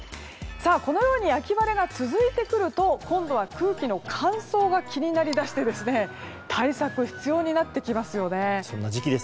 このように秋晴れが続いてくると今度は空気の乾燥が気になりだしてですね対策、必要になってきますよね。